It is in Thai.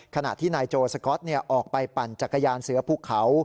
ขณะที่นายโจสก๊อตออกไปปั่นจักรยานเสือภูเขา